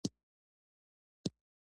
آیا ښه احساس کوې؟